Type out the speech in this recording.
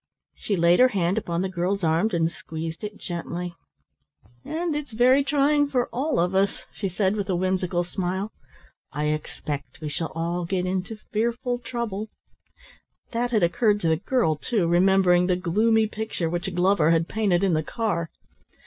She laid her hand upon the girl's arm and squeezed it gently. "And it's very trying for all of us," she said with a whimsical smile. "I expect we shall all get into fearful trouble." That had occurred to the girl too, remembering the gloomy picture which Glover had painted in the car.